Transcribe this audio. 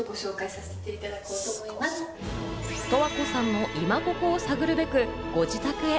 十和子さんのイマココを探るべく、ご自宅へ！